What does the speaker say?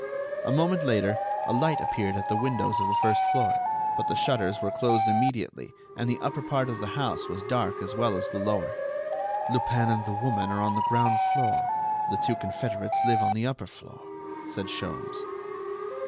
A moment later a light appeared at the windows of the first floor, but the shutters were closed immediately and the upper part of the house was dark as well as the lower. "Lupin and the woman are on the ground floor; the two confederates live on the upper floor," said Sholmes.